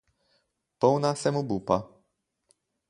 Polna sem obupa.